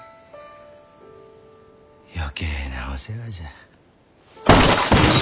余計なお世話じゃ。